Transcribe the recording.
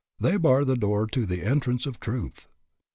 They bar the door to the entrance of truth.